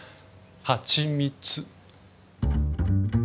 はちみつ。